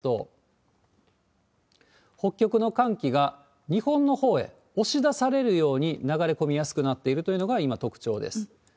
そうなるとどうなるかといいますと、北極の寒気が日本のほうへ押し出されるように流れ込みやすくなっているというのが、今、特徴です。